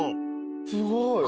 すごい。